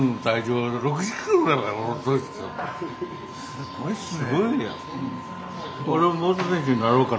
すごいですね。